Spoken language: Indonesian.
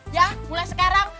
ya mulai sekarang